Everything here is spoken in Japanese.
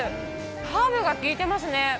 ハーブが効いてますね。